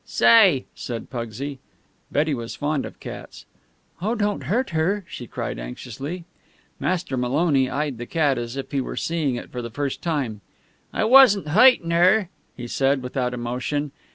"Say!" said Pugsy. Betty was fond of cats. "Oh, don't hurt her!" she cried anxiously. Master Maloney eyed the cat as if he were seeing it for the first time. "I wasn't hoitin' her," he said, without emotion.